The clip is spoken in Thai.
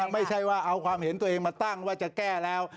ไม่ใช่ว่าเอาความเห็นตัวเองมาตั้งว่าจะแก้แล้ว